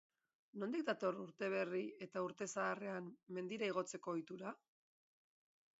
Nondik dator urte berri eta urte zaharrean mendira igotzeko ohitura?